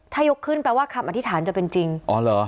ถ้ายกขึ้นแปลว่าคำอธิษฐานจะเป็นจริงอ๋อเหรอ